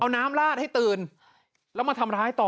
เอาน้ำลาดให้ตื่นแล้วมาทำร้ายต่อ